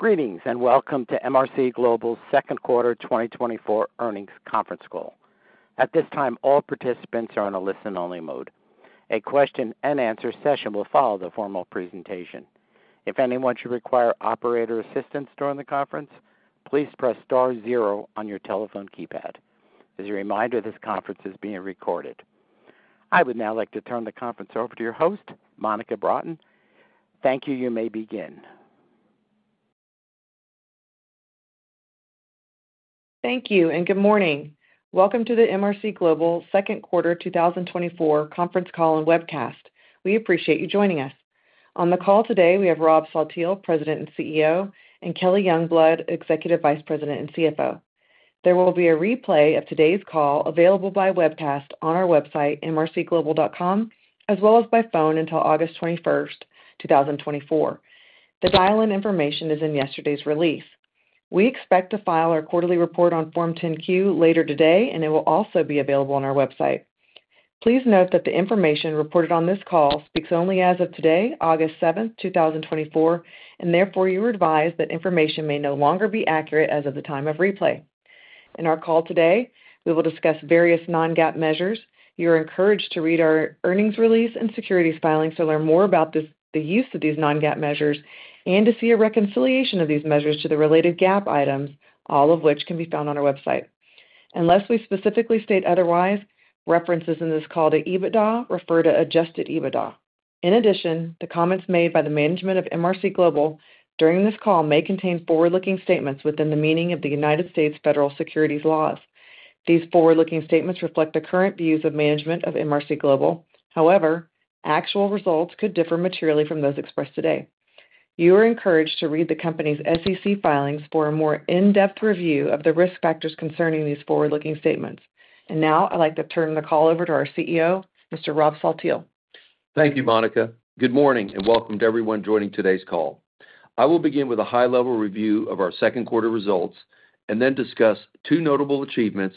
Greetings and welcome to MRC Global's second quarter 2024 earnings conference call. At this time, all participants are in a listen-only mode. A question-and-answer session will follow the formal presentation. If anyone should require operator assistance during the conference, please press star zero on your telephone keypad. As a reminder, this conference is being recorded. I would now like to turn the conference over to your host, Monica Broughton. Thank you. You may begin. Thank you and good morning. Welcome to the MRC Global second quarter 2024 conference call and webcast. We appreciate you joining us. On the call today, we have Rob Saltiel, President and CEO, and Kelly Youngblood, Executive Vice President and CFO. There will be a replay of today's call available by webcast on our website, mrcglobal.com, as well as by phone until August 21st, 2024. The dial-in information is in yesterday's release. We expect to file our quarterly report on Form 10-Q later today, and it will also be available on our website. Please note that the information reported on this call speaks only as of today, August 7th, 2024, and therefore you are advised that information may no longer be accurate as of the time of replay. In our call today, we will discuss various non-GAAP measures. You are encouraged to read our earnings release and securities filing to learn more about the use of these non-GAAP measures and to see a reconciliation of these measures to the related GAAP items, all of which can be found on our website. Unless we specifically state otherwise, references in this call to EBITDA refer to adjusted EBITDA. In addition, the comments made by the management of MRC Global during this call may contain forward-looking statements within the meaning of the United States Federal Securities Laws. These forward-looking statements reflect the current views of management of MRC Global. However, actual results could differ materially from those expressed today. You are encouraged to read the company's SEC filings for a more in-depth review of the risk factors concerning these forward-looking statements. And now I'd like to turn the call over to our CEO, Mr. Rob Saltiel. Thank you, Monica. Good morning and welcome to everyone joining today's call. I will begin with a high-level review of our second quarter results and then discuss two notable achievements,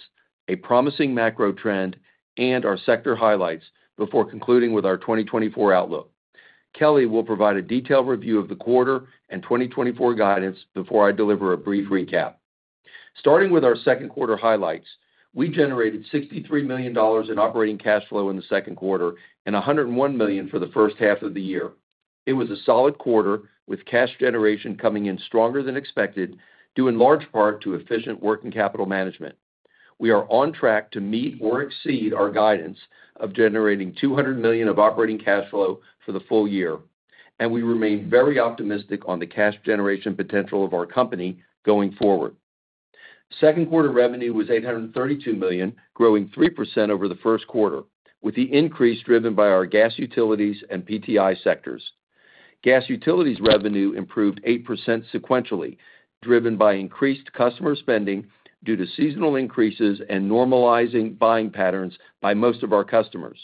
a promising macro trend, and our sector highlights before concluding with our 2024 outlook. Kelly will provide a detailed review of the quarter and 2024 guidance before I deliver a brief recap. Starting with our second quarter highlights, we generated $63 million in operating cash flow in the second quarter and $101 million for the first half of the year. It was a solid quarter with cash generation coming in stronger than expected, due in large part to efficient working capital management. We are on track to meet or exceed our guidance of generating $200 million of operating cash flow for the full year, and we remain very optimistic on the cash generation potential of our company going forward. Second quarter revenue was $832 million, growing 3% over the first quarter, with the increase driven by our gas utilities and PTI sectors. Gas utilities revenue improved 8% sequentially, driven by increased customer spending due to seasonal increases and normalizing buying patterns by most of our customers.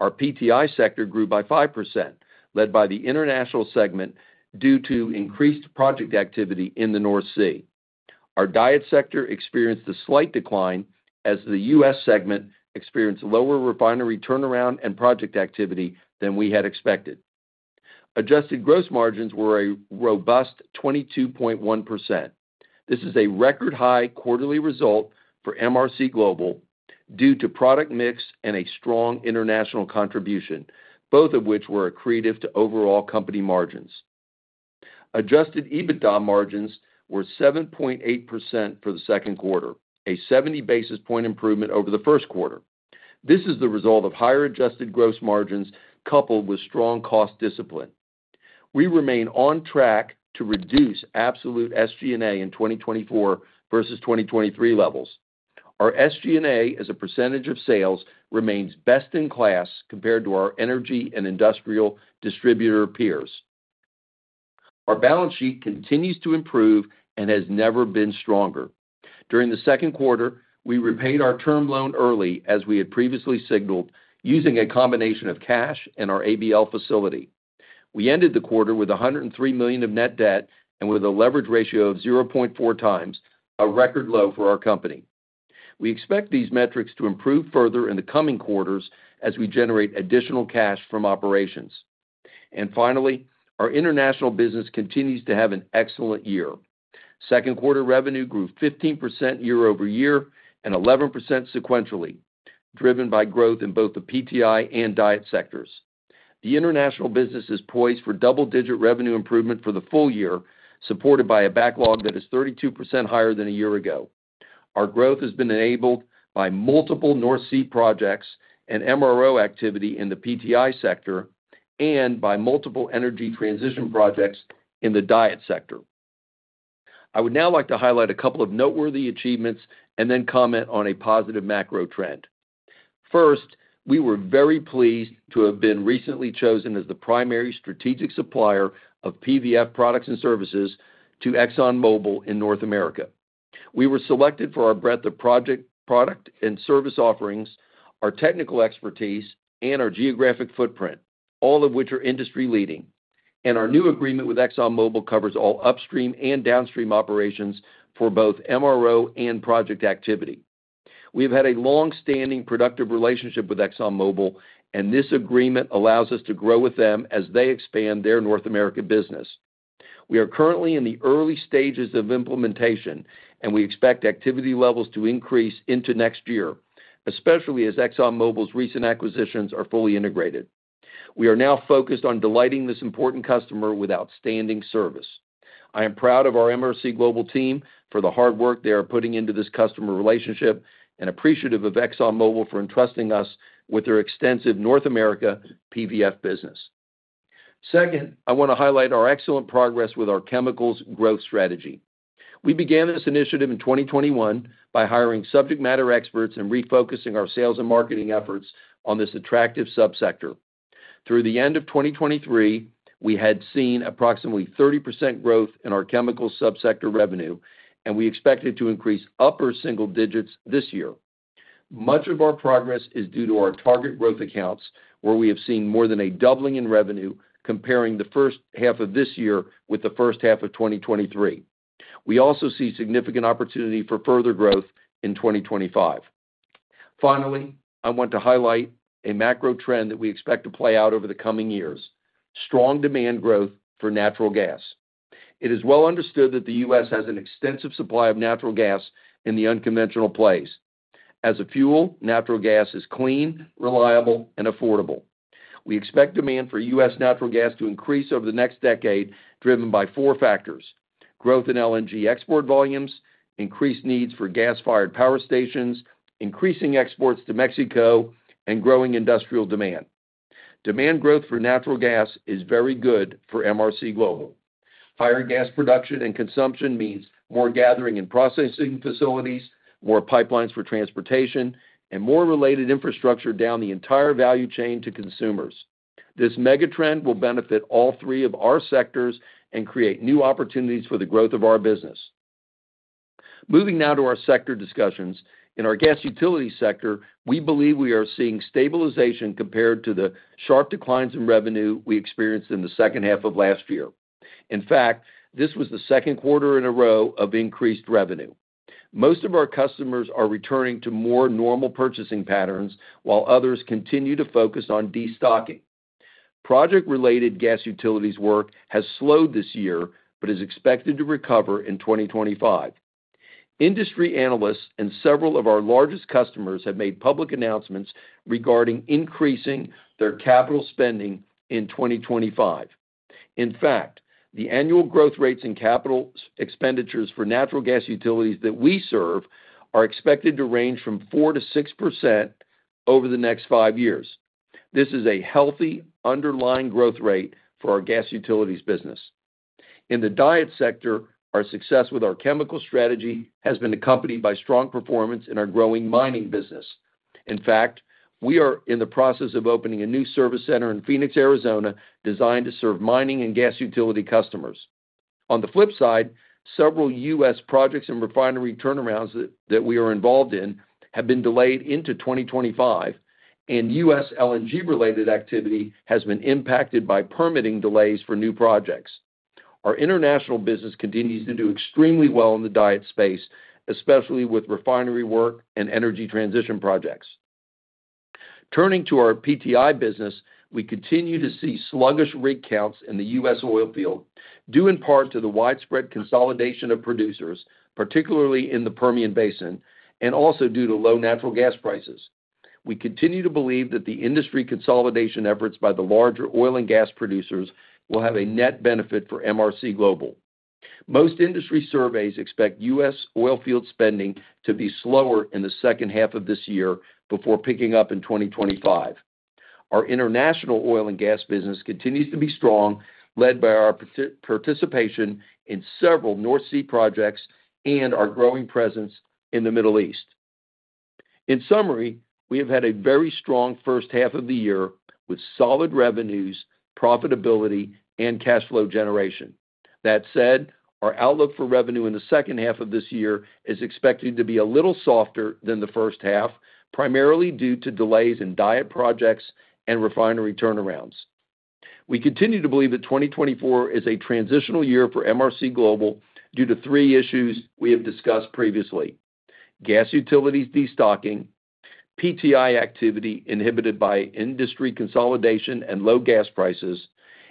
Our PTI sector grew by 5%, led by the International segment due to increased project activity in the North Sea. Our DIET sector experienced a slight decline as the U.S. segment experienced lower refinery turnaround and project activity than we had expected. Adjusted gross margins were a robust 22.1%. This is a record high quarterly result for MRC Global due to product mix and a strong international contribution, both of which were accretive to overall company margins. Adjusted EBITDA margins were 7.8% for the second quarter, a 70 basis point improvement over the first quarter. This is the result of higher adjusted gross margins coupled with strong cost discipline. We remain on track to reduce absolute SG&A in 2024 versus 2023 levels. Our SG&A as a percentage of sales remains best in class compared to our energy and industrial distributor peers. Our balance sheet continues to improve and has never been stronger. During the second quarter, we repaid our term loan early as we had previously signaled, using a combination of cash and our ABL facility. We ended the quarter with $103 million of net debt and with a leverage ratio of 0.4 times, a record low for our company. We expect these metrics to improve further in the coming quarters as we generate additional cash from operations. And finally, our international business continues to have an excellent year. Second quarter revenue grew 15% year-over-year and 11% sequentially, driven by growth in both the PTI and DIET sectors. The international business is poised for double-digit revenue improvement for the full year, supported by a backlog that is 32% higher than a year ago. Our growth has been enabled by multiple North Sea projects and MRO activity in the PTI sector and by multiple energy transition projects in the DIET sector. I would now like to highlight a couple of noteworthy achievements and then comment on a positive macro trend. First, we were very pleased to have been recently chosen as the primary strategic supplier of PVF products and services to ExxonMobil in North America. We were selected for our breadth of product and service offerings, our technical expertise, and our geographic footprint, all of which are industry-leading. Our new agreement with ExxonMobil covers all upstream and downstream operations for both MRO and project activity. We have had a long-standing productive relationship with ExxonMobil, and this agreement allows us to grow with them as they expand their North America business. We are currently in the early stages of implementation, and we expect activity levels to increase into next year, especially as ExxonMobil's recent acquisitions are fully integrated. We are now focused on delighting this important customer with outstanding service. I am proud of our MRC Global team for the hard work they are putting into this customer relationship and appreciative of ExxonMobil for entrusting us with their extensive North America PVF business. Second, I want to highlight our excellent progress with our chemicals growth strategy. We began this initiative in 2021 by hiring subject matter experts and refocusing our sales and marketing efforts on this attractive subsector. Through the end of 2023, we had seen approximately 30% growth in our chemicals subsector revenue, and we expected to increase upper single digits this year. Much of our progress is due to our target growth accounts, where we have seen more than a doubling in revenue comparing the first half of this year with the first half of 2023. We also see significant opportunity for further growth in 2025. Finally, I want to highlight a macro trend that we expect to play out over the coming years: strong demand growth for natural gas. It is well understood that the U.S. has an extensive supply of natural gas in the unconventional place. As a fuel, natural gas is clean, reliable, and affordable. We expect demand for U.S. Natural gas to increase over the next decade, driven by four factors: growth in LNG export volumes, increased needs for gas-fired power stations, increasing exports to Mexico, and growing industrial demand. Demand growth for natural gas is very good for MRC Global. Higher gas production and consumption means more gathering and processing facilities, more pipelines for transportation, and more related infrastructure down the entire value chain to consumers. This mega trend will benefit all three of our sectors and create new opportunities for the growth of our business. Moving now to our sector discussions. In our gas utility sector, we believe we are seeing stabilization compared to the sharp declines in revenue we experienced in the second half of last year. In fact, this was the second quarter in a row of increased revenue. Most of our customers are returning to more normal purchasing patterns, while others continue to focus on destocking. Project-related gas utilities work has slowed this year but is expected to recover in 2025. Industry analysts and several of our largest customers have made public announcements regarding increasing their capital spending in 2025. In fact, the annual growth rates in capital expenditures for natural gas utilities that we serve are expected to range from 4%-6% over the next five years. This is a healthy underlying growth rate for our gas utilities business. In the DIET sector, our success with our chemical strategy has been accompanied by strong performance in our growing mining business. In fact, we are in the process of opening a new service center in Phoenix, Arizona, designed to serve mining and gas utility customers. On the flip side, several U.S. Projects and refinery turnarounds that we are involved in have been delayed into 2025, and U.S. LNG-related activity has been impacted by permitting delays for new projects. Our international business continues to do extremely well in the DIET space, especially with refinery work and energy transition projects. Turning to our PTI business, we continue to see sluggish rig counts in the U.S. oil field, due in part to the widespread consolidation of producers, particularly in the Permian Basin, and also due to low natural gas prices. We continue to believe that the industry consolidation efforts by the larger oil and gas producers will have a net benefit for MRC Global. Most industry surveys expect U.S. oil field spending to be slower in the second half of this year before picking up in 2025. Our international oil and gas business continues to be strong, led by our participation in several North Sea projects and our growing presence in the Middle East. In summary, we have had a very strong first half of the year with solid revenues, profitability, and cash flow generation. That said, our outlook for revenue in the second half of this year is expected to be a little softer than the first half, primarily due to delays in DIET projects and refinery turnarounds. We continue to believe that 2024 is a transitional year for MRC Global due to three issues we have discussed previously: gas utilities destocking, PTI activity inhibited by industry consolidation and low gas prices,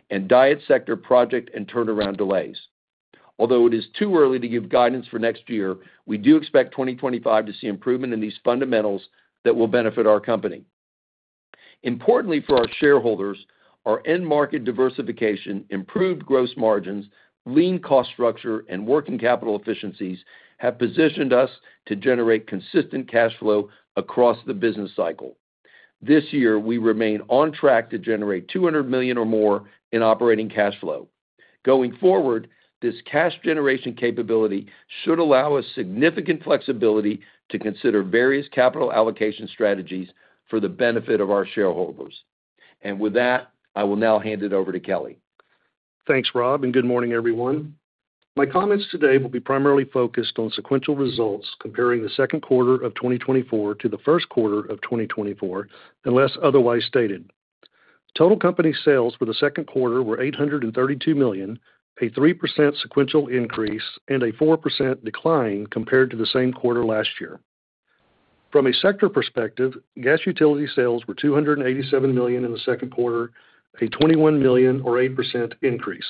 and DIET sector project and turnaround delays. Although it is too early to give guidance for next year, we do expect 2025 to see improvement in these fundamentals that will benefit our company. Importantly for our shareholders, our end market diversification, improved gross margins, lean cost structure, and working capital efficiencies have positioned us to generate consistent cash flow across the business cycle. This year, we remain on track to generate $200 million or more in operating cash flow. Going forward, this cash generation capability should allow us significant flexibility to consider various capital allocation strategies for the benefit of our shareholders. With that, I will now hand it over to Kelly. Thanks, Rob, and good morning, everyone. My comments today will be primarily focused on sequential results comparing the second quarter of 2024 to the first quarter of 2024, unless otherwise stated. Total company sales for the second quarter were $832 million, a 3% sequential increase, and a 4% decline compared to the same quarter last year. From a sector perspective, gas utility sales were $287 million in the second quarter, a $21 million, or 8%, increase.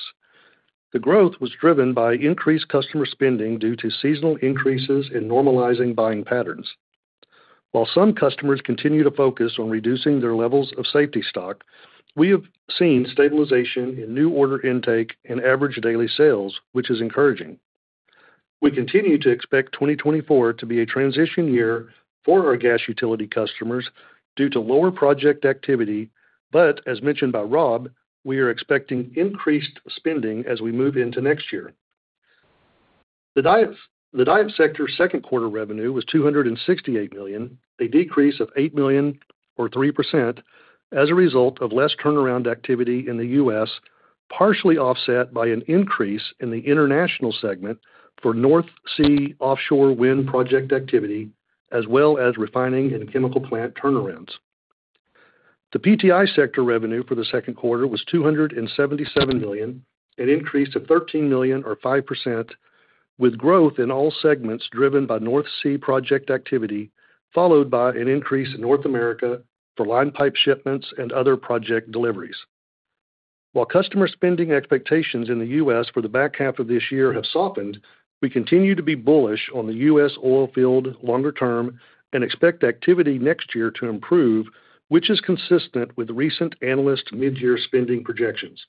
The growth was driven by increased customer spending due to seasonal increases and normalizing buying patterns. While some customers continue to focus on reducing their levels of safety stock, we have seen stabilization in new order intake and average daily sales, which is encouraging. We continue to expect 2024 to be a transition year for our gas utility customers due to lower project activity, but as mentioned by Rob, we are expecting increased spending as we move into next year. The DIET sector's second quarter revenue was $268 million, a decrease of $8 million, or 3%, as a result of less turnaround activity in the U.S., partially offset by an increase in the international segment for North Sea offshore wind project activity, as well as refining and chemical plant turnarounds. The PTI sector revenue for the second quarter was $277 million, an increase of $13 million, or 5%, with growth in all segments driven by North Sea project activity, followed by an increase in North America for line pipe shipments and other project deliveries. While customer spending expectations in the U.S. For the back half of this year have softened, we continue to be bullish on the U.S. oil field longer term and expect activity next year to improve, which is consistent with recent analyst mid-year spending projections.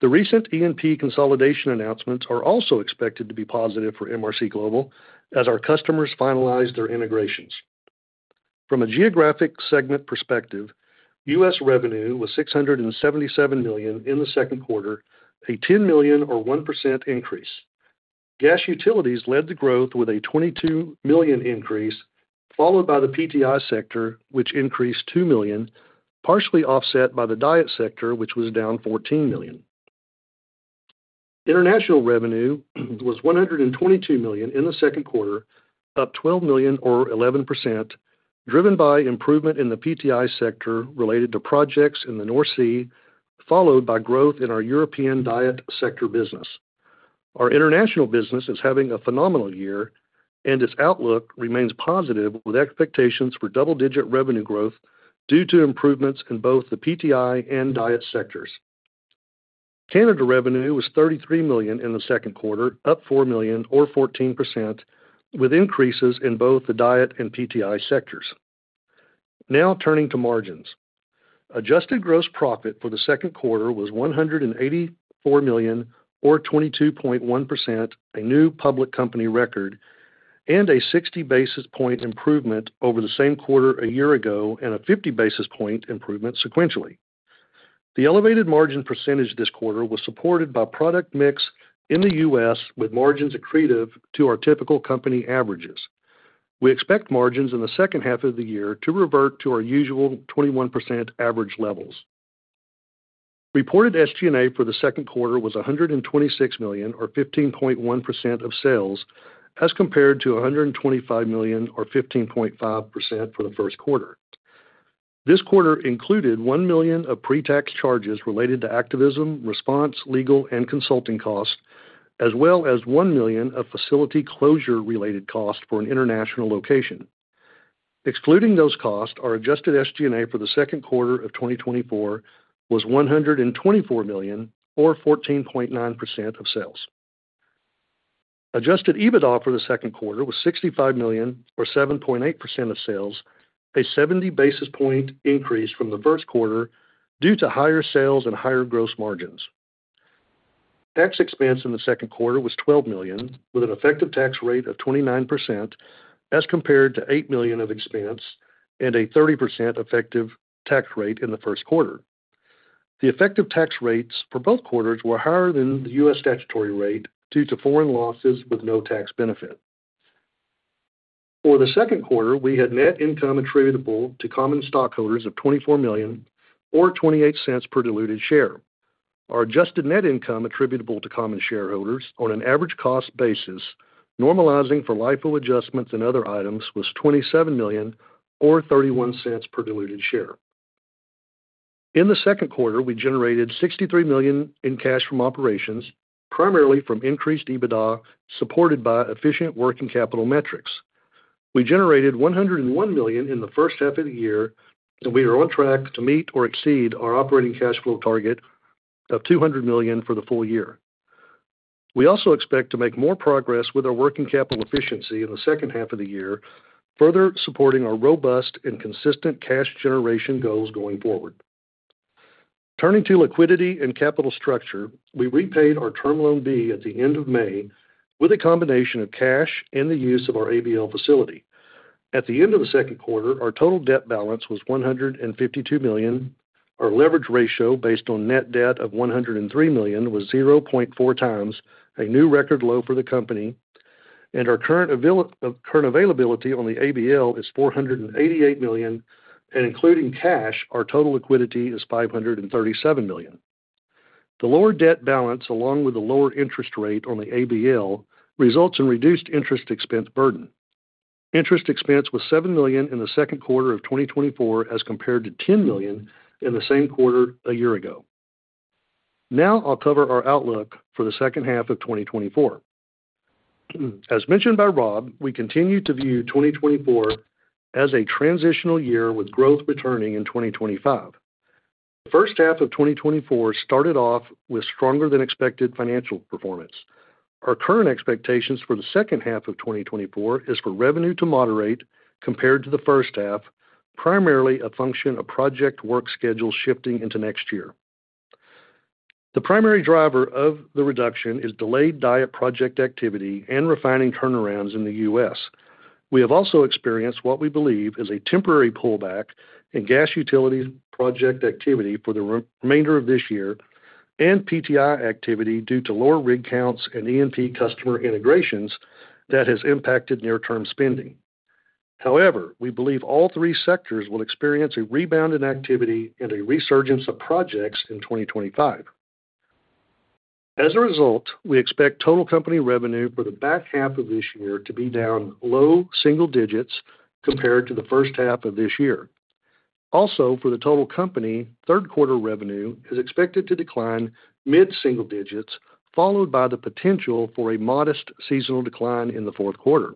The recent E&P consolidation announcements are also expected to be positive for MRC Global as our customers finalize their integrations. From a geographic segment perspective, U.S. revenue was $677 million in the second quarter, a $10 million, or 1%, increase. Gas utilities led the growth with a $22 million increase, followed by the PTI sector, which increased $2 million, partially offset by the DIET sector, which was down $14 million. International revenue was $122 million in the second quarter, up $12 million, or 11%, driven by improvement in the PTI sector related to projects in the North Sea, followed by growth in our European DIET sector business. Our international business is having a phenomenal year, and its outlook remains positive, with expectations for double-digit revenue growth due to improvements in both the PTI and DIET sectors. Canada revenue was $33 million in the second quarter, up $4 million, or 14%, with increases in both the DIET and PTI sectors. Now turning to margins. Adjusted gross profit for the second quarter was $184 million, or 22.1%, a new public company record, and a 60 basis point improvement over the same quarter a year ago and a 50 basis point improvement sequentially. The elevated margin percentage this quarter was supported by product mix in the U.S., with margins accretive to our typical company averages. We expect margins in the second half of the year to revert to our usual 21% average levels. Reported SG&A for the second quarter was $126 million, or 15.1%, of sales, as compared to $125 million, or 15.5%, for the first quarter. This quarter included $1 million of pre-tax charges related to activism response, legal, and consulting costs, as well as $1 million of facility closure-related costs for an international location. Excluding those costs, our adjusted SG&A for the second quarter of 2024 was $124 million, or 14.9%, of sales. Adjusted EBITDA for the second quarter was $65 million, or 7.8%, of sales, a 70 basis point increase from the first quarter due to higher sales and higher gross margins. Tax expense in the second quarter was $12 million, with an effective tax rate of 29%, as compared to $8 million of expense and a 30% effective tax rate in the first quarter. The effective tax rates for both quarters were higher than the U.S. Statutory rate due to foreign losses with no tax benefit. For the second quarter, we had net income attributable to common stockholders of $24 million, or $0.28 per diluted share. Our adjusted net income attributable to common shareholders on an average cost basis, normalizing for LIFO adjustments and other items, was $27 million, or $0.31 per diluted share. In the second quarter, we generated $63 million in cash from operations, primarily from increased EBITDA supported by efficient working capital metrics. We generated $101 million in the first half of the year, and we are on track to meet or exceed our operating cash flow target of $200 million for the full year. We also expect to make more progress with our working capital efficiency in the second half of the year, further supporting our robust and consistent cash generation goals going forward. Turning to liquidity and capital structure, we repaid our Term Loan B at the end of May with a combination of cash and the use of our ABL facility. At the end of the second quarter, our total debt balance was $152 million. Our leverage ratio, based on net debt of $103 million, was 0.4 times a new record low for the company, and our current availability on the ABL is $488 million, and including cash, our total liquidity is $537 million. The lower debt balance, along with the lower interest rate on the ABL, results in reduced interest expense burden. Interest expense was $7 million in the second quarter of 2024, as compared to $10 million in the same quarter a year ago. Now I'll cover our outlook for the second half of 2024. As mentioned by Rob, we continue to view 2024 as a transitional year with growth returning in 2025. The first half of 2024 started off with stronger-than-expected financial performance. Our current expectations for the second half of 2024 are for revenue to moderate compared to the first half, primarily a function of project work schedules shifting into next year. The primary driver of the reduction is delayed DIET project activity and refining turnarounds in the U.S. We have also experienced what we believe is a temporary pullback in gas utilities project activity for the remainder of this year and PTI activity due to lower rig counts and E&P customer integrations that have impacted near-term spending. However, we believe all three sectors will experience a rebound in activity and a resurgence of projects in 2025. As a result, we expect total company revenue for the back half of this year to be down low single digits compared to the first half of this year. Also, for the total company, third quarter revenue is expected to decline mid-single digits, followed by the potential for a modest seasonal decline in the fourth quarter.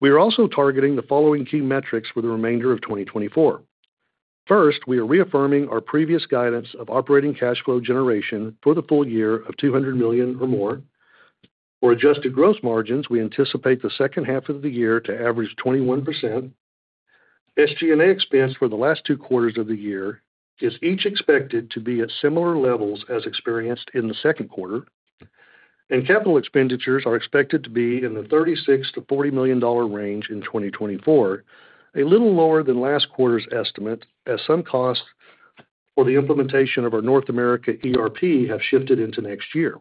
We are also targeting the following key metrics for the remainder of 2024. First, we are reaffirming our previous guidance of operating cash flow generation for the full year of $200 million or more. For adjusted gross margins, we anticipate the second half of the year to average 21%. SG&A expense for the last two quarters of the year is each expected to be at similar levels as experienced in the second quarter, and capital expenditures are expected to be in the $36-$40 million range in 2024, a little lower than last quarter's estimate, as some costs for the implementation of our North America ERP have shifted into next year.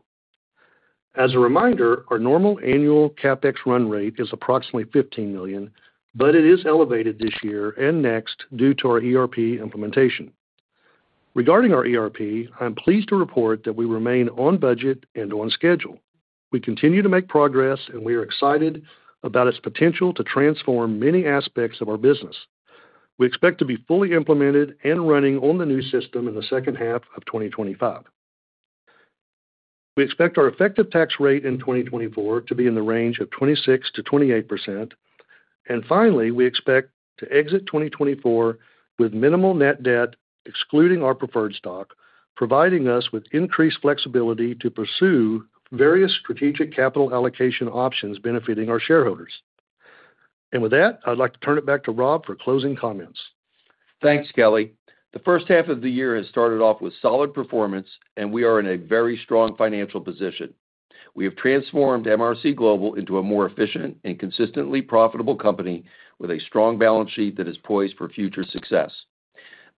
As a reminder, our normal annual CapEx run rate is approximately $15 million, but it is elevated this year and next due to our ERP implementation. Regarding our ERP, I'm pleased to report that we remain on budget and on schedule. We continue to make progress, and we are excited about its potential to transform many aspects of our business. We expect to be fully implemented and running on the new system in the second half of 2025. We expect our effective tax rate in 2024 to be in the range of 26%-28%, and finally, we expect to exit 2024 with minimal net debt, excluding our preferred stock, providing us with increased flexibility to pursue various strategic capital allocation options benefiting our shareholders. And with that, I'd like to turn it back to Rob for closing comments. Thanks, Kelly. The first half of the year has started off with solid performance, and we are in a very strong financial position. We have transformed MRC Global into a more efficient and consistently profitable company with a strong balance sheet that is poised for future success.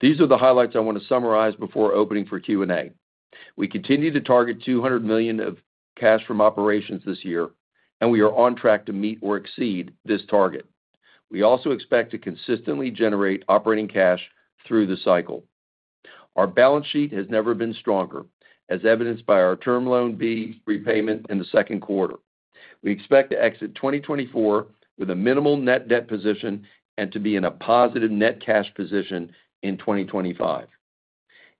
These are the highlights I want to summarize before opening for Q&A. We continue to target $200 million of cash from operations this year, and we are on track to meet or exceed this target. We also expect to consistently generate operating cash through the cycle. Our balance sheet has never been stronger, as evidenced by our Term Loan B repayment in the second quarter. We expect to exit 2024 with a minimal net debt position and to be in a positive net cash position in 2025.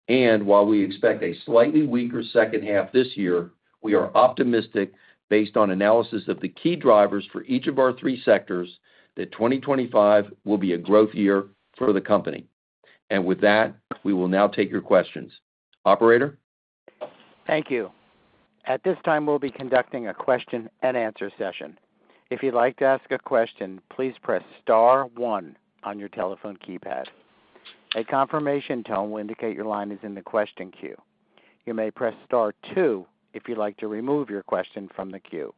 And while we expect a slightly weaker second half this year, we are optimistic based on analysis of the key drivers for each of our three sectors that 2025 will be a growth year for the company. And with that, we will now take your questions. Operator? Thank you. At this time, we'll be conducting a question-and-answer session. If you'd like to ask a question, please press Star 1 on your telephone keypad. A confirmation tone will indicate your line is in the question queue. You may press Star 2 if you'd like to remove your question from the queue.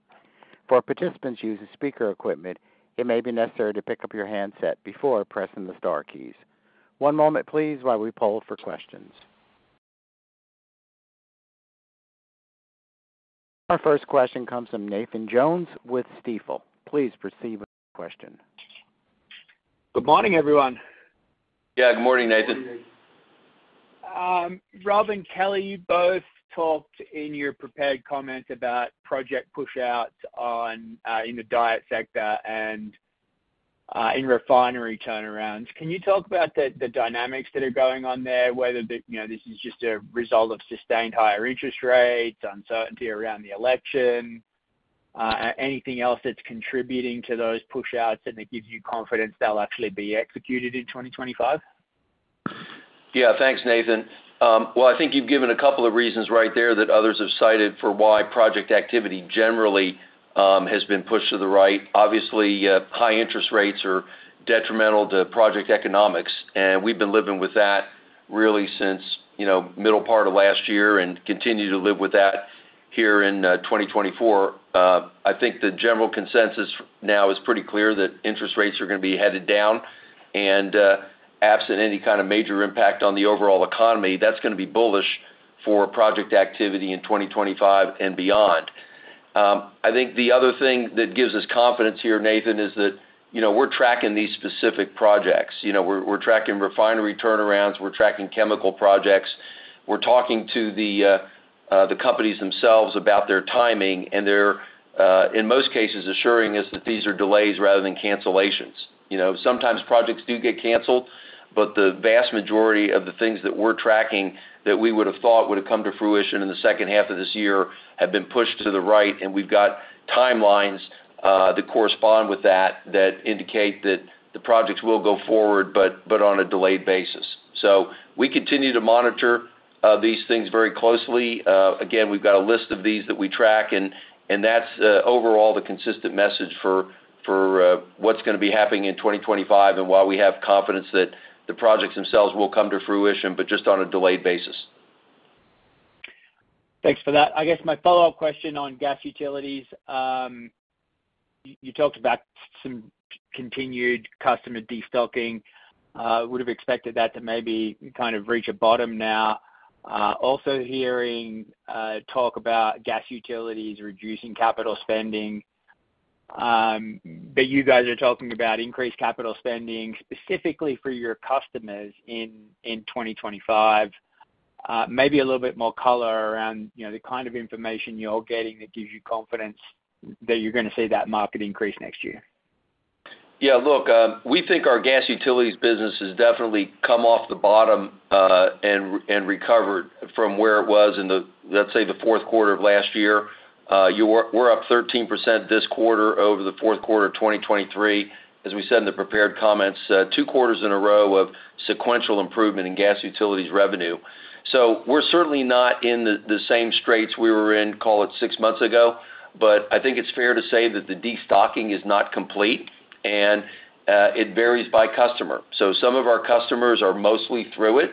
For participants using speaker equipment, it may be necessary to pick up your handset before pressing the Star keys. One moment, please, while we poll for questions. Our first question comes from Nathan Jones with Stifel. Please proceed with your question. Good morning, everyone. Yeah, good morning, Nathan. Rob and Kelly, you both talked in your prepared comments about project push-outs in the DIET sector and in refinery turnarounds. Can you talk about the dynamics that are going on there, whether this is just a result of sustained higher interest rates, uncertainty around the election, anything else that's contributing to those push-outs and that gives you confidence they'll actually be executed in 2025? Yeah, thanks, Nathan. Well, I think you've given a couple of reasons right there that others have cited for why project activity generally has been pushed to the right. Obviously, high interest rates are detrimental to project economics, and we've been living with that really since the middle part of last year and continue to live with that here in 2024. I think the general consensus now is pretty clear that interest rates are going to be headed down, and absent any kind of major impact on the overall economy, that's going to be bullish for project activity in 2025 and beyond. I think the other thing that gives us confidence here, Nathan, is that we're tracking these specific projects. We're tracking refinery turnarounds. We're tracking chemical projects. We're talking to the companies themselves about their timing, and they're, in most cases, assuring us that these are delays rather than cancellations. Sometimes projects do get canceled, but the vast majority of the things that we're tracking that we would have thought would have come to fruition in the second half of this year have been pushed to the right, and we've got timelines that correspond with that that indicate that the projects will go forward, but on a delayed basis. So we continue to monitor these things very closely. Again, we've got a list of these that we track, and that's overall the consistent message for what's going to be happening in 2025 and why we have confidence that the projects themselves will come to fruition, but just on a delayed basis. Thanks for that. I guess my follow-up question on gas utilities. You talked about some continued customer destocking. Would have expected that to maybe kind of reach a bottom now. Also, hearing talk about gas utilities reducing capital spending, but you guys are talking about increased capital spending specifically for your customers in 2025. Maybe a little bit more color around the kind of information you're getting that gives you confidence that you're going to see that market increase next year. Yeah, look, we think our gas utilities business has definitely come off the bottom and recovered from where it was in, let's say, the fourth quarter of last year. We're up 13% this quarter over the fourth quarter of 2023, as we said in the prepared comments, two quarters in a row of sequential improvement in gas utilities revenue. So we're certainly not in the same straits we were in, call it, six months ago, but I think it's fair to say that the destocking is not complete, and it varies by customer. So some of our customers are mostly through it,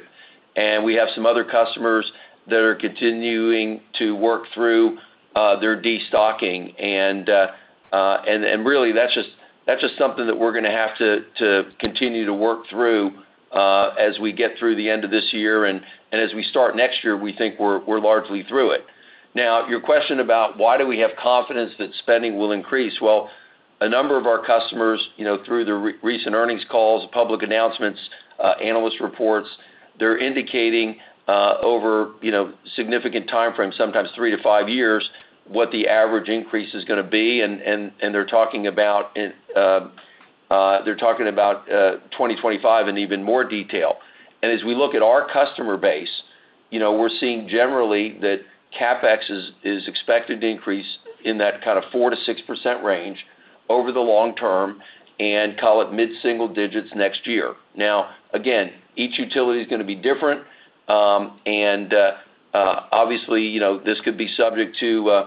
and we have some other customers that are continuing to work through their destocking. Really, that's just something that we're going to have to continue to work through as we get through the end of this year, and as we start next year, we think we're largely through it. Now, your question about why do we have confidence that spending will increase? Well, a number of our customers, through the recent earnings calls, public announcements, analyst reports, they're indicating over significant timeframes, sometimes 3-5 years, what the average increase is going to be, and they're talking about 2025 in even more detail. As we look at our customer base, we're seeing generally that CapEx is expected to increase in that kind of 4%-6% range over the long term and call it mid-single digits next year. Now, again, each utility is going to be different, and obviously, this could be subject to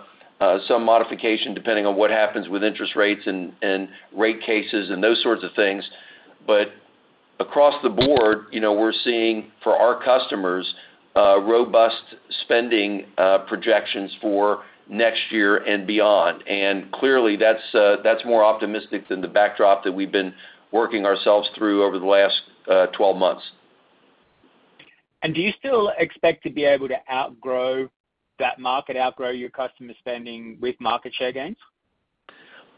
some modification depending on what happens with interest rates and rate cases and those sorts of things. But across the board, we're seeing for our customers robust spending projections for next year and beyond. And clearly, that's more optimistic than the backdrop that we've been working ourselves through over the last 12 months. Do you still expect to be able to outgrow that market, outgrow your customer spending with market share gains?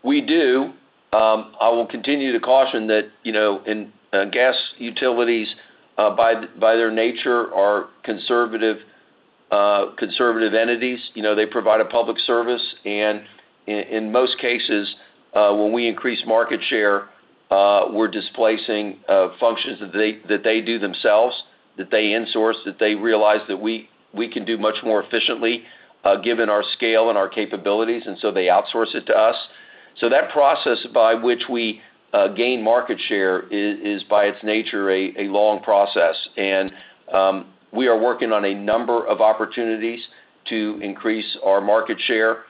We do. I will continue to caution that gas utilities, by their nature, are conservative entities. They provide a public service, and in most cases, when we increase market share, we're displacing functions that they do themselves, that they insource, that they realize that we can do much more efficiently given our scale and our capabilities, and so they outsource it to us. That process by which we gain market share is, by its nature, a long process. We are working on a number of opportunities to increase our market share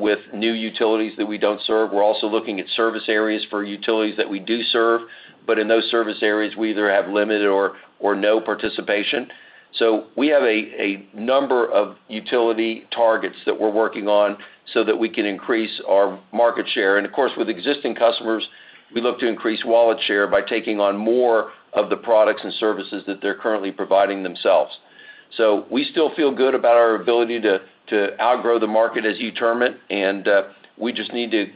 with new utilities that we don't serve. We're also looking at service areas for utilities that we do serve, but in those service areas, we either have limited or no participation. We have a number of utility targets that we're working on so that we can increase our market share. Of course, with existing customers, we look to increase wallet share by taking on more of the products and services that they're currently providing themselves. We still feel good about our ability to outgrow the market as you term it, and we just need to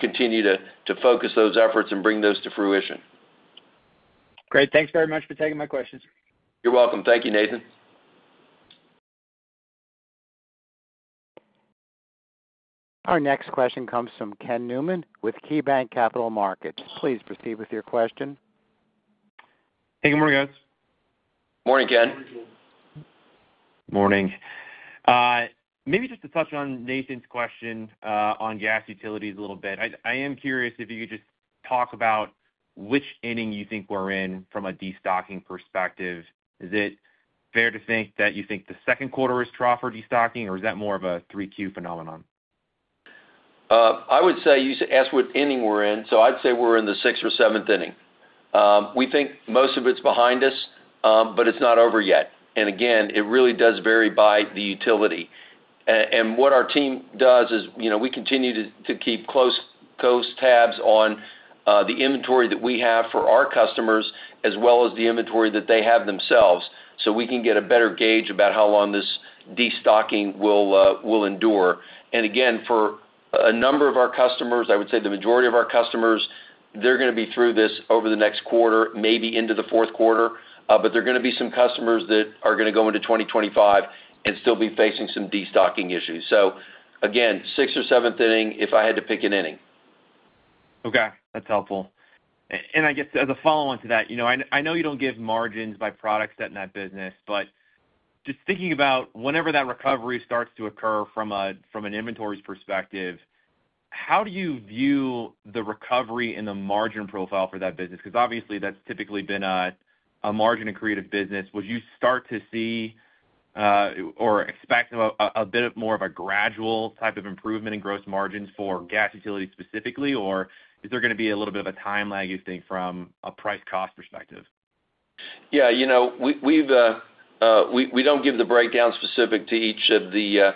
continue to focus those efforts and bring those to fruition. Great. Thanks very much for taking my questions. You're welcome. Thank you, Nathan. Our next question comes from Ken Newman with KeyBanc Capital Markets. Please proceed with your question. Hey, good morning, guys. Morning, Ken. Morning. Maybe just to touch on Nathan's question on gas utilities a little bit, I am curious if you could just talk about which inning you think we're in from a destocking perspective. Is it fair to think that you think the second quarter is trough for destocking, or is that more of a 3Q phenomenon? I would say you should ask what inning we're in. So I'd say we're in the sixth or seventh inning. We think most of it's behind us, but it's not over yet. And again, it really does vary by the utility. And what our team does is we continue to keep close tabs on the inventory that we have for our customers as well as the inventory that they have themselves so we can get a better gauge about how long this destocking will endure. And again, for a number of our customers, I would say the majority of our customers, they're going to be through this over the next quarter, maybe into the fourth quarter, but there are going to be some customers that are going to go into 2025 and still be facing some destocking issues. So again, sixth or seventh inning if I had to pick an inning. Okay. That's helpful. I guess as a follow-on to that, I know you don't give margins by product in that business, but just thinking about whenever that recovery starts to occur from an inventory perspective, how do you view the recovery in the margin profile for that business? Because obviously, that's typically been a margin-accretive business. Would you start to see or expect a bit more of a gradual type of improvement in gross margins for gas utilities specifically, or is there going to be a little bit of a time lag, you think, from a price-cost perspective? Yeah. We don't give the breakdown specific to each of the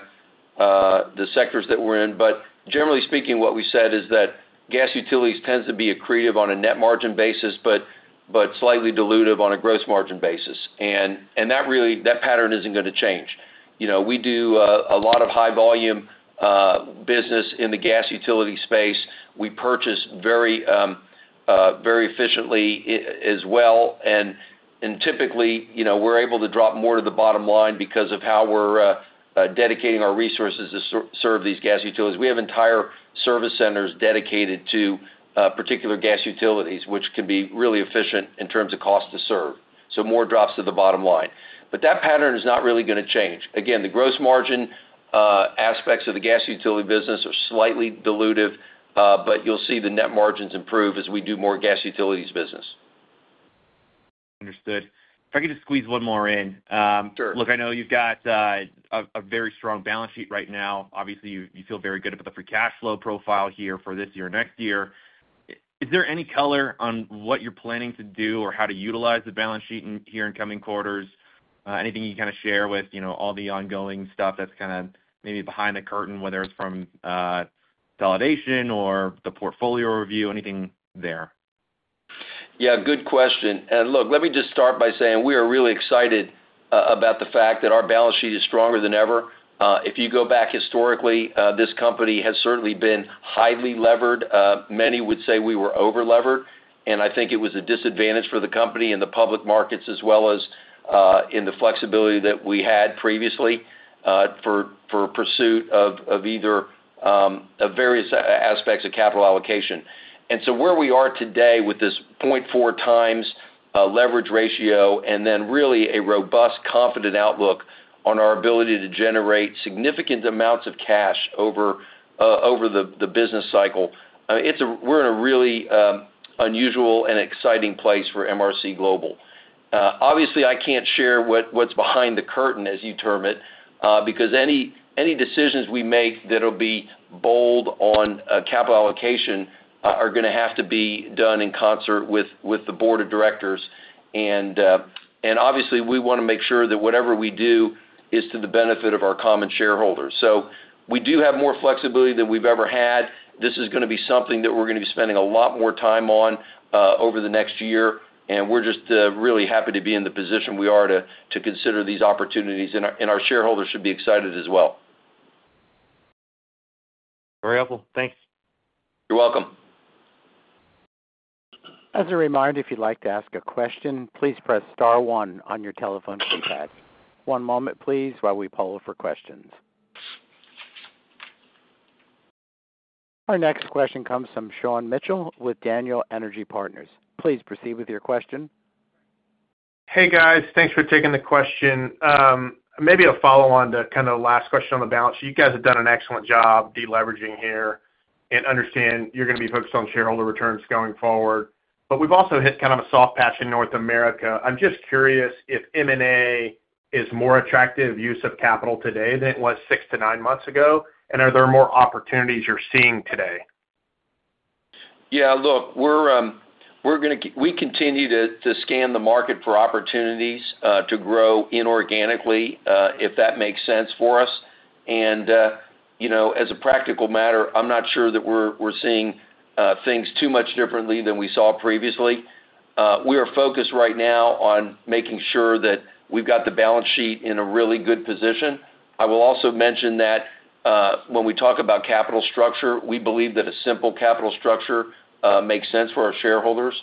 sectors that we're in, but generally speaking, what we said is that gas utilities tends to be accretive on a net margin basis, but slightly dilutive on a gross margin basis. That pattern isn't going to change. We do a lot of high-volume business in the gas utility space. We purchase very efficiently as well. Typically, we're able to drop more to the bottom line because of how we're dedicating our resources to serve these gas utilities. We have entire service centers dedicated to particular gas utilities, which can be really efficient in terms of cost to serve. More drops to the bottom line. That pattern is not really going to change. Again, the gross margin aspects of the gas utility business are slightly dilutive, but you'll see the net margins improve as we do more gas utilities business. Understood. If I could just squeeze one more in. Sure. Look, I know you've got a very strong balance sheet right now. Obviously, you feel very good about the free cash flow profile here for this year and next year. Is there any color on what you're planning to do or how to utilize the balance sheet here in coming quarters? Anything you can kind of share with all the ongoing stuff that's kind of maybe behind the curtain, whether it's from validation or the portfolio review, anything there? Yeah, good question. And look, let me just start by saying we are really excited about the fact that our balance sheet is stronger than ever. If you go back historically, this company has certainly been highly levered. Many would say we were over-levered, and I think it was a disadvantage for the company in the public markets as well as in the flexibility that we had previously for pursuit of either various aspects of capital allocation. And so where we are today with this 0.4x leverage ratio and then really a robust, confident outlook on our ability to generate significant amounts of cash over the business cycle, we're in a really unusual and exciting place for MRC Global. Obviously, I can't share what's behind the curtain, as you term it, because any decisions we make that will be bold on capital allocation are going to have to be done in concert with the board of directors. Obviously, we want to make sure that whatever we do is to the benefit of our common shareholders. We do have more flexibility than we've ever had. This is going to be something that we're going to be spending a lot more time on over the next year, and we're just really happy to be in the position we are to consider these opportunities, and our shareholders should be excited as well. Very helpful. Thanks. You're welcome. As a reminder, if you'd like to ask a question, please press star one on your telephone keypad. One moment, please, while we poll for questions. Our next question comes from Sean Mitchell with Daniel Energy Partners. Please proceed with your question. Hey, guys. Thanks for taking the question. Maybe a follow-on to kind of the last question on the balance. You guys have done an excellent job deleveraging here and understand you're going to be focused on shareholder returns going forward. But we've also hit kind of a soft patch in North America. I'm just curious if M&A is more attractive use of capital today than it was 6-9 months ago, and are there more opportunities you're seeing today? Yeah. Look, we continue to scan the market for opportunities to grow inorganically, if that makes sense for us. As a practical matter, I'm not sure that we're seeing things too much differently than we saw previously. We are focused right now on making sure that we've got the balance sheet in a really good position. I will also mention that when we talk about capital structure, we believe that a simple capital structure makes sense for our shareholders,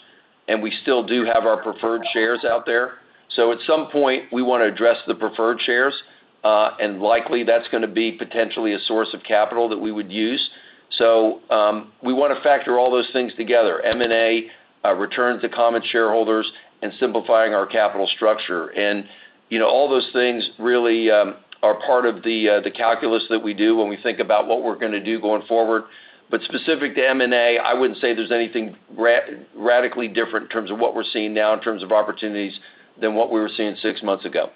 and we still do have our preferred shares out there. At some point, we want to address the preferred shares, and likely that's going to be potentially a source of capital that we would use. We want to factor all those things together: M&A, returns to common shareholders, and simplifying our capital structure. All those things really are part of the calculus that we do when we think about what we're going to do going forward. Specific to M&A, I wouldn't say there's anything radically different in terms of what we're seeing now in terms of opportunities than what we were seeing six months ago.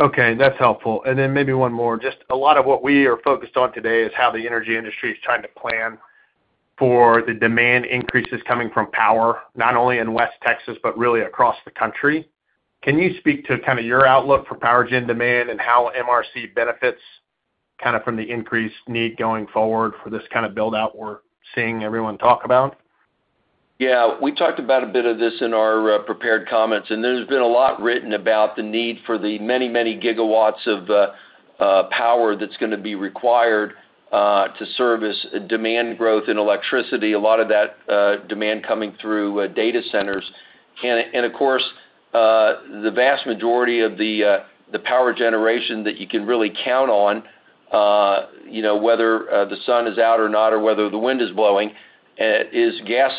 Okay. That's helpful. And then maybe one more. Just a lot of what we are focused on today is how the energy industry is trying to plan for the demand increases coming from power, not only in West Texas, but really across the country. Can you speak to kind of your outlook for power gen demand and how MRC benefits kind of from the increased need going forward for this kind of build-out we're seeing everyone talk about? Yeah. We talked about a bit of this in our prepared comments, and there's been a lot written about the need for the many, many gigawatts of power that's going to be required to service demand growth in electricity. A lot of that demand coming through data centers. And of course, the vast majority of the power generation that you can really count on, whether the sun is out or not or whether the wind is blowing, is gas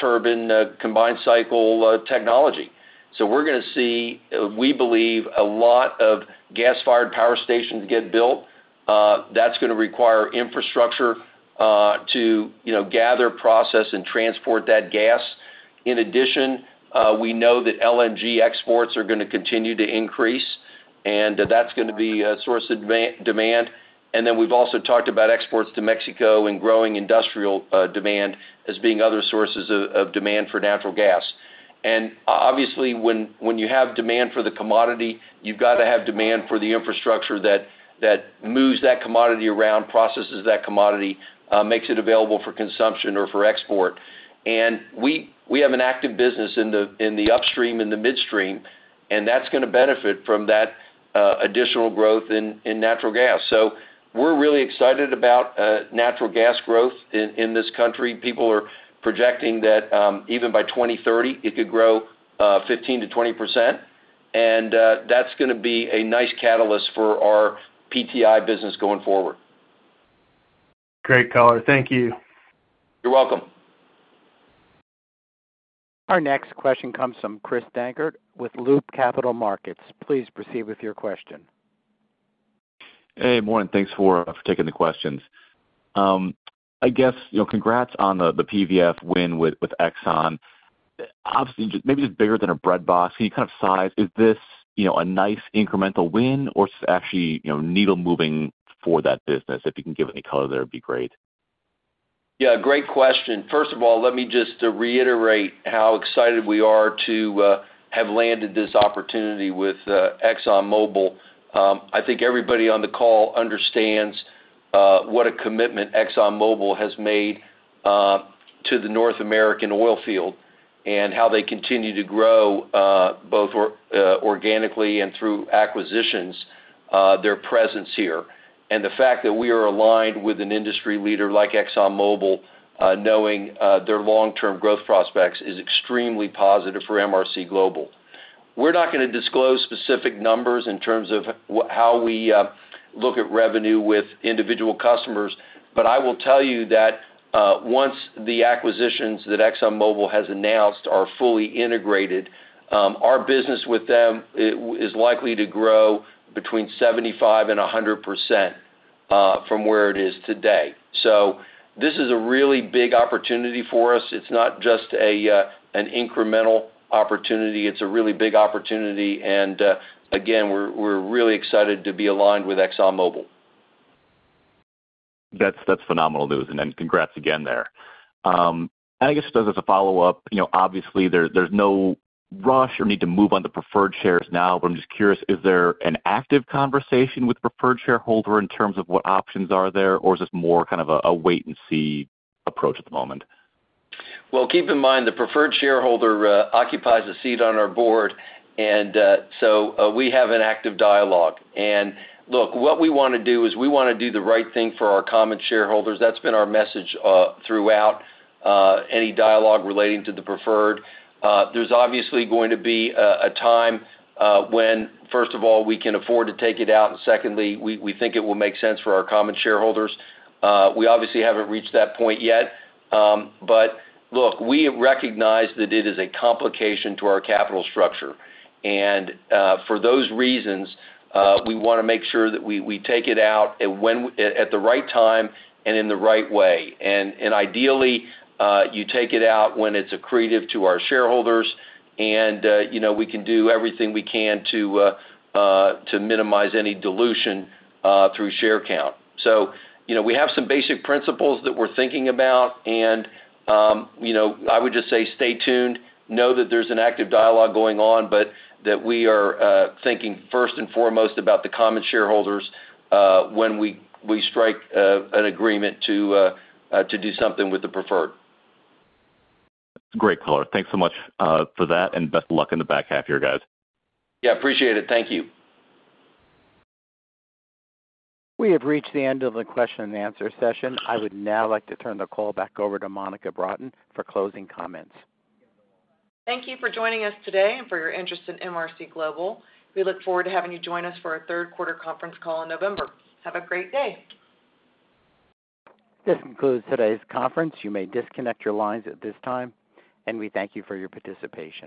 turbine combined cycle technology. So we're going to see, we believe, a lot of gas-fired power stations get built. That's going to require infrastructure to gather, process, and transport that gas. In addition, we know that LNG exports are going to continue to increase, and that's going to be a source of demand. And then we've also talked about exports to Mexico and growing industrial demand as being other sources of demand for natural gas. And obviously, when you have demand for the commodity, you've got to have demand for the infrastructure that moves that commodity around, processes that commodity, makes it available for consumption or for export. And we have an active business in the upstream, in the midstream, and that's going to benefit from that additional growth in natural gas. So we're really excited about natural gas growth in this country. People are projecting that even by 2030, it could grow 15%-20%, and that's going to be a nice catalyst for our PTI business going forward. Great, caller. Thank you. You're welcome. Our next question comes from Chris Dankert with Loop Capital Markets. Please proceed with your question. Hey, morning. Thanks for taking the questions. I guess congrats on the PVF win with Exxon. Obviously, maybe it's bigger than a breadbox. Can you kind of size? Is this a nice incremental win, or is this actually needle-moving for that business? If you can give any color, that would be great. Yeah. Great question. First of all, let me just reiterate how excited we are to have landed this opportunity with ExxonMobil. I think everybody on the call understands what a commitment ExxonMobil has made to the North American oil field and how they continue to grow both organically and through acquisitions, their presence here. The fact that we are aligned with an industry leader like ExxonMobil, knowing their long-term growth prospects, is extremely positive for MRC Global. We're not going to disclose specific numbers in terms of how we look at revenue with individual customers, but I will tell you that once the acquisitions that ExxonMobil has announced are fully integrated, our business with them is likely to grow between 75% and 100% from where it is today. So this is a really big opportunity for us. It's not just an incremental opportunity. It's a really big opportunity. And again, we're really excited to be aligned with ExxonMobil. That's phenomenal news. And then congrats again there. And I guess just as a follow-up, obviously, there's no rush or need to move on the preferred shares now, but I'm just curious, is there an active conversation with preferred shareholder in terms of what options are there, or is this more kind of a wait-and-see approach at the moment? Well, keep in mind, the preferred shareholder occupies a seat on our board, and so we have an active dialogue. And look, what we want to do is we want to do the right thing for our common shareholders. That's been our message throughout any dialogue relating to the preferred. There's obviously going to be a time when, first of all, we can afford to take it out, and secondly, we think it will make sense for our common shareholders. We obviously haven't reached that point yet, but look, we recognize that it is a complication to our capital structure. And for those reasons, we want to make sure that we take it out at the right time and in the right way. And ideally, you take it out when it's accretive to our shareholders, and we can do everything we can to minimize any dilution through share count. So we have some basic principles that we're thinking about, and I would just say stay tuned. Know that there's an active dialogue going on, but that we are thinking first and foremost about the common shareholders when we strike an agreement to do something with the preferred. Great, caller. Thanks so much for that, and best of luck in the back half here, guys. Yeah. Appreciate it. Thank you. We have reached the end of the question-and-answer session. I would now like to turn the call back over to Monica Broughton for closing comments. Thank you for joining us today and for your interest in MRC Global. We look forward to having you join us for our third quarter conference call in November. Have a great day. This concludes today's conference. You may disconnect your lines at this time, and we thank you for your participation.